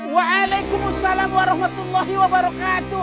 waalaikumsalam warahmatullahi wabarakatuh